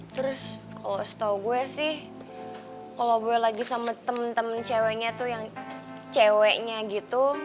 terus kalau setahu gue sih kalau gue lagi sama temen temen ceweknya tuh yang ceweknya gitu